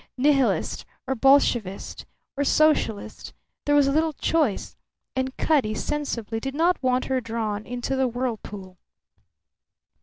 Nihilist or Bolshevist or socialist, there was little choice; and Cutty sensibly did not want her drawn into the whirlpool.